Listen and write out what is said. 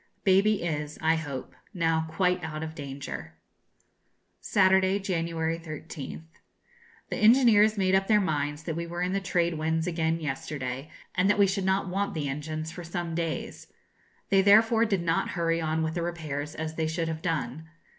Baby is, I hope, now quite out of danger. Saturday, January 13th. The engineers made up their minds that we were in the trade winds again yesterday, and that we should not want the engines for some days. They therefore did not hurry on with the repairs as they should have done.